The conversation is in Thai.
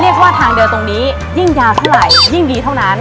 ว่าทางเดียวตรงนี้ยิ่งยาวเท่าไหร่ยิ่งดีเท่านั้น